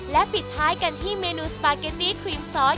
และปิดท้ายกันที่เมนูสปาเกตตี้ครีมซอส